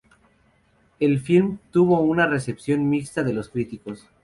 El filme tuvo una recepción mixta de los críticos.